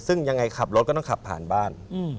ซึ่งยังไงขับรถก็ต้องขับผ่านบ้าน